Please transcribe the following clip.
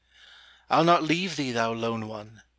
IŌĆÖll not leave thee, thou lone one!